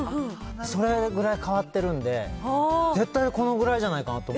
それぐらい変わってるんで、絶対このぐらいじゃないかなと思う。